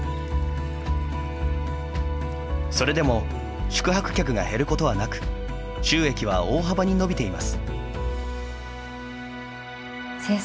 それでも宿泊客が減ることはなく収益は大幅に伸びています。